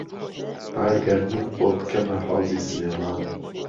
ها گهرنت بۆ پکهمه حهوزی سمێڵان